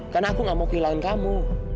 karena aku gak mau kehilangan kamu